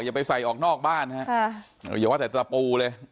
อย่าไปใส่ออกนอกบ้านอ่ะอ่าเดี๋ยวว่าถ้าปูเลย